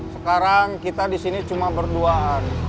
sekarang kita disini cuma berduaan